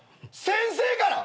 先生から！？